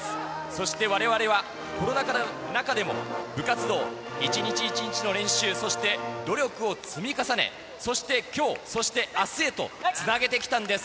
そしてわれわれはコロナ禍の中でも、部活動、一日一日の練習、そして努力を積み重ね、そしてきょう、そしてあすへと、つなげてきたんです。